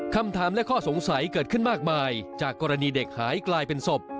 คำถามและข้อสงสัยเกิดขึ้นมากมายจากกรณีเด็กหายกลายเป็นศพ